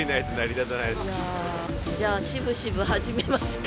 じゃあしぶしぶ始めますか。